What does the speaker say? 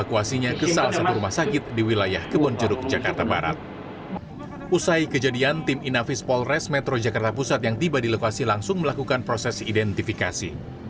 usai kejadian tim inafis polres metro jakarta pusat yang tiba di lokasi langsung melakukan proses identifikasi